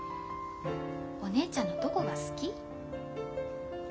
お姉ちゃんのどこが好き？